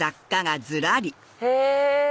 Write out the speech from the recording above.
へぇ！